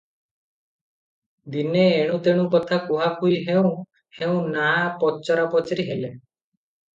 ଦିନେ ଏଣୁ ତେଣୁ କଥା କୁହାକୁହି ହେଉଁ ହେଉଁ ନା' ପଚରାପଚରି ହେଲେ ।